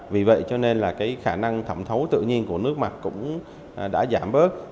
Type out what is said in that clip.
vì vậy cho nên khả năng thẩm thấu tự nhiên của nước mặt cũng đã giảm bớt